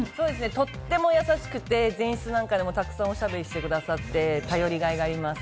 とっても優しくて、前室なんかでもたくさんお喋りしてくださって、頼りがいがあります。